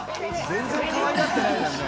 全然かわいがってないじゃんね。